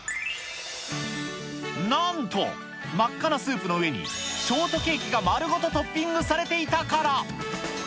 なんと、真っ赤なスープの上に、ショートケーキが丸ごとトッピングされていたから。